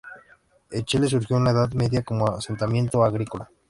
Enschede surgió en la Edad Media como asentamiento agrícola.